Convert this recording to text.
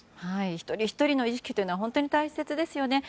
一人ひとりの意識が本当に大切ですよね。